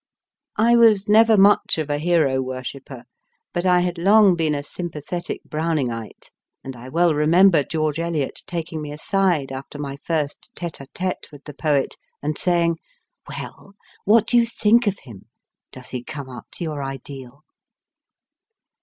I was never much of a hero worshipper, 292 MY FIRST BOOK but I had long been a sympathetic Browningite, and I well remember George Eliot taking me aside after my first tcte a tcte with the poet, and saying, Well, what do you think of him ? Does he come up to your ideal